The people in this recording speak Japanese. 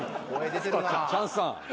チャンスさん。